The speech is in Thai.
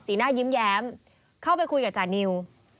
หน้ายิ้มแย้มเข้าไปคุยกับจานิว